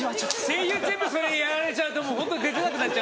声優全部それやられちゃうとホントに出づらくなっちゃう。